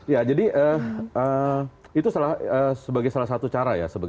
ya jadi itu sebagai salah satu cara ya